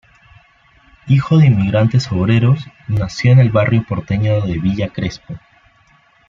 Hijo de inmigrantes obreros, nació en el barrio porteño de Villa Crespo.